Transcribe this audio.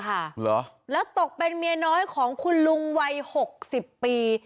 เหรอแล้วตกเป็นเมียน้อยของคุณลุงวัยหกสิบปี